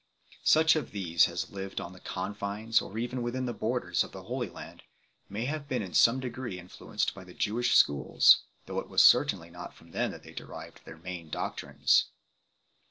Such of these as lived on the confines, or even within the borders, of the Holy Land, may have been in some degree in fluenced by the Jewish Schools, though it was certainly not from them that they derived their main doctrines.